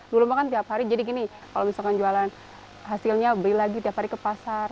dulu mah kan tiap hari jadi gini kalau misalkan jualan hasilnya beli lagi tiap hari ke pasar